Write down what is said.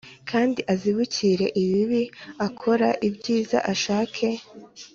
Kandi azibukire ibibi akore ibyiza ashake